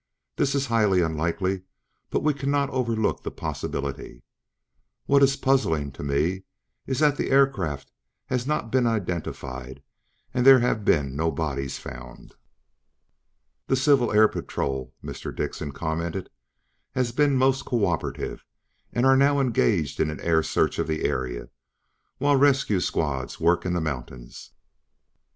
This is highly unlikely, but we cannot overlook the possibility. What is puzzling, to me, is that the aircraft has not been identified and there have been no bodies found." "The Civil Air Patrol," Mr. Dickson commented, "has been most cooperative and are now engaged in an air search of the area, while rescue squads work in the mountains." Mr.